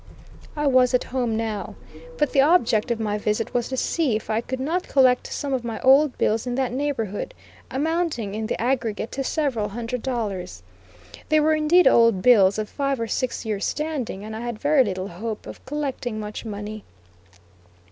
I was at home now. But the object of my visit was to see if I could not collect some of my old bills in that neighborhood, amounting in the aggregate to several hundred dollars. They were indeed old bills of five or six years' standing, and I had very little hope of collecting much money.